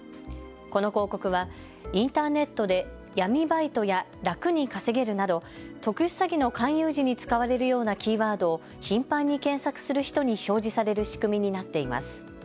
この広告はインターネットで闇バイトや楽に稼げるなど特殊詐欺の勧誘時に使われるようなキーワードを頻繁に検索する人に表示される仕組みになっています。